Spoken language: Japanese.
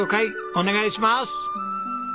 お願いします。